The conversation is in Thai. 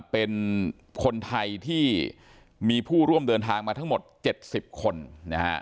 เป็นคนไทยที่มีผู้ร่วมเดินทางมาทั้งหมด๗๐คนนะฮะ